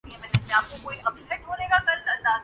اک کھیل ہے اورنگ سلیماں مرے نزدیک